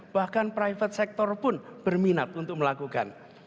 bahkan private sector pun berminat untuk melakukan